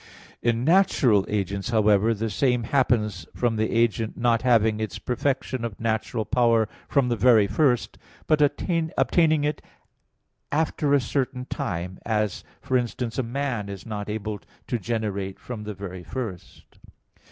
In natural agents, however, the same happens from the agent not having its perfection of natural power from the very first, but obtaining it after a certain time; as, for instance, a man is not able to generate from the very first.